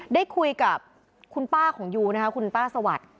ได้คุยกับคุณป้าของยูนะคะคุณป้าสวัสดิ์